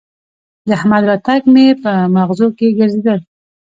د احمد راتګ مې به مغزو کې ګرځېدل